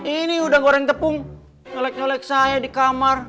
ini udah goreng tepung nyolek nyelek saya di kamar